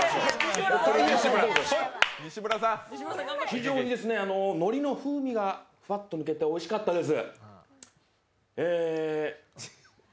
非常にのりの風味がフワッと抜けておいしかったです。